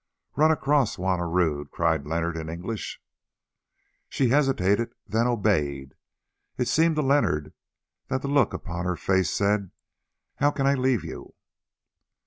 "Run across, Juanna Rodd," cried Leonard in English. She hesitated, then obeyed. It seemed to Leonard that the look upon her face said, "How can I leave you?"